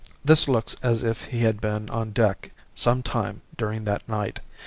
This looks as if he had been on deck some time during that night.